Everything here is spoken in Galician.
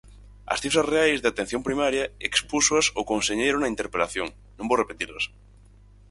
As cifras reais de atención primaria expúxoas o conselleiro na interpelación, non vou repetilas.